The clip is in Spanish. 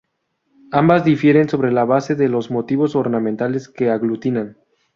Ambas difieren sobre la base de los motivos ornamentales que aglutinan.